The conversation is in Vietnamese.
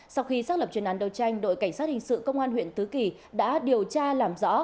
sau khi xác lập chuyên án đầu tranh đội cảnh sát hình sự công an huyện tứ kỳ đã điều tra làm rõ